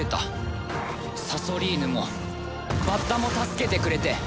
サソリーヌもバッタも助けてくれて。